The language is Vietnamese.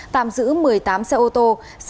tạm giữ một mươi tám xe ô tô